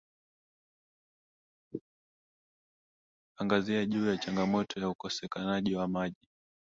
angazia juu ya changamoto ya ukosekanaji wa maji